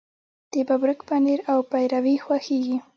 د ببرک پنیر او پیروی خوښیږي.